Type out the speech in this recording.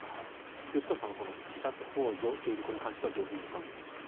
吉川さんは自殺ほう助というところに関してはどうお考えになりますか？